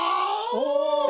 お！